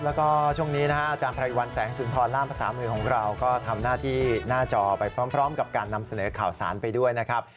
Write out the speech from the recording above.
แล้วก็ช่วงนี้นะฮะอาจารย์ไพรวัลแสงสุนทรล่ามภาษามือของเราก็ทำหน้าที่หน้าจอไปพร้อมกับการนำเสนอข่าวสารไปด้วยนะครับ